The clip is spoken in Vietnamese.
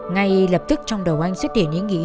ngay lập tức trong đầu anh xuất hiện ý nghĩ